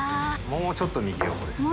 もうちょっと右横です。